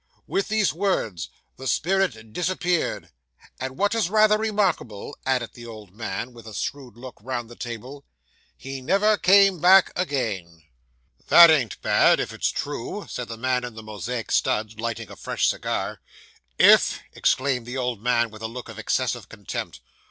With these words, the spirit disappeared; and what is rather remarkable,' added the old man, with a shrewd look round the table, 'he never came back again.' 'That ain't bad, if it's true,' said the man in the Mosaic studs, lighting a fresh cigar. 'If!' exclaimed the old man, with a look of excessive contempt.